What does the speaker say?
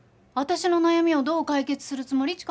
私の悩みをどう解決するつもり？